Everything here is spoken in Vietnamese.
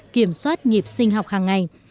kiểm soát nhịp sinh học hàng ngày